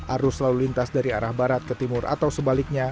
arus lalu lintas dari arah barat ke timur atau sebaliknya